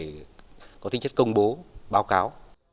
trưng bày có tính chất công bố báo cáo